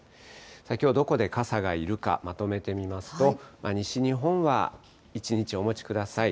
きょう、どこで傘がいるか、まとめてみますと、西日本は一日お持ちください。